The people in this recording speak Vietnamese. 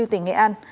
tỉnh nghệ an